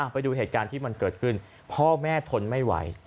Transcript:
ไปดูเหตุการณ์ที่มันเกิดขึ้นพ่อแม่ทนไม่ไหว